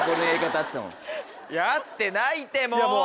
合ってないってもう！